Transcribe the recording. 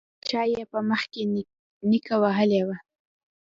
چا يې په مخ کې نيکه وهلی و.